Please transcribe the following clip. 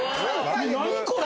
何これ？